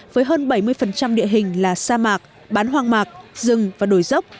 với hơn bảy mươi địa hình là sa mạc bán hoang mạc rừng và đồi dốc